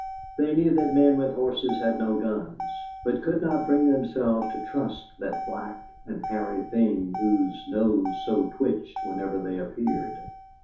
They knew that men with horses had no guns, but could not bring themselves to trust that black and hairy thing whose nose so twitched whenever they appeared.